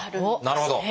なるほど！